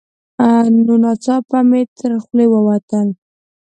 نو ناڅاپه مې تر خولې ووتل: